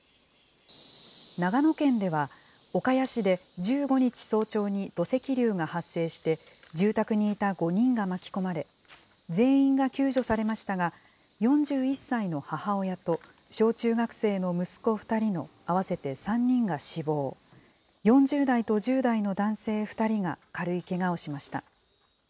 長野県では、岡谷市で１５日早朝に土石流が発生して、住宅にいた５人が巻き込まれ、全員が救助されましたが、４１歳の母親と小中学生の息子２人の合わせて３人が死亡、４０代と１０代の男性２人が軽いけがをしました。